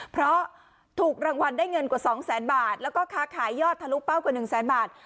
เพราะถูกรางวัลได้เงินกว่า๒แสนบาทแล้วก็ค้าขายยอดทะลุเป้ากว่า๑แสนบาท